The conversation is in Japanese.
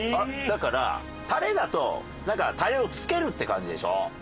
だからタレだとなんかタレをつけるって感じでしょ？